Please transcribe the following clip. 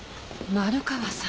丸川さん。